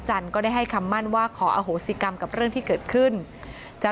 ก็ได้ให้คำมั่นว่าขออโหสิกรรมกับเรื่องที่เกิดขึ้นจะ